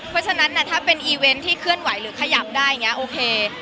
เพราะฉะนั้นถ้าเป็นอีเวนต์ที่เคลื่อนไหวหรือขยับได้อย่างนี้โอเค